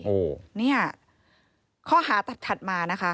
โอ้โหเนี่ยข้อหาถัดมานะคะ